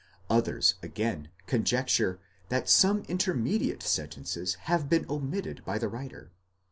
Others, again, conjecture that some intermediate sentences have been omitted by the writer